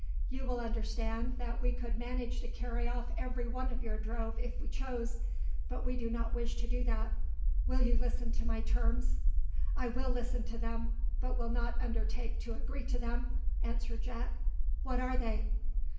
You will understand that we could manage to carry off every one of your drove if we chose, but we do not wish to do that. Will you listen to my terms?" "I will listen to them, but will not undertake to agree to them," answered Jack. "What are they?"